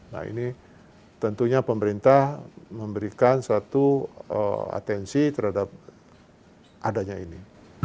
nah ini tentunya pemerintah memberikan satu atensi terhadap adanya ini